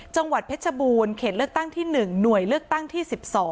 จังหวัดเพชรบูรณ์เขตเลือกตั้งที่๑หน่วยเลือกตั้งที่๑๒